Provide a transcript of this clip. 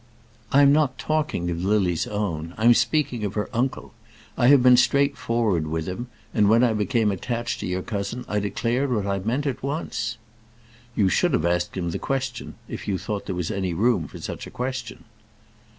"I am not talking of Lily's own. I'm speaking of her uncle. I have been straightforward with him; and when I became attached to your cousin I declared what I meant at once." "You should have asked him the question, if you thought there was any room for such a question."